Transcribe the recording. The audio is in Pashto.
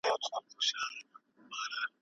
ایا د مڼې استعمال د ویښتانو رنګ بدلوي؟